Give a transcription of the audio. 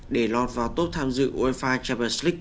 để lọt vào tốt tham dự uefa champions league